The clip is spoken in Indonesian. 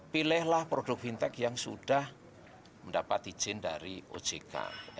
pilihlah produk fintech yang sudah mendapat izin dari ojk